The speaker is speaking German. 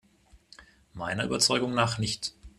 Meiner Überzeugung nach nicht.